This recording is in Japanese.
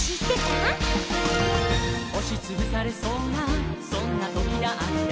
「おしつぶされそうなそんなときだって」